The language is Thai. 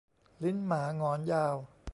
ลิ้นหมาหงอนยาว